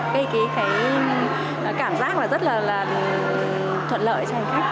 cái cảm giác rất là thuận lợi